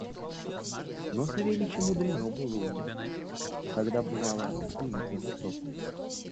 Но Савельича мудрено было унять, когда, бывало, примется за проповедь.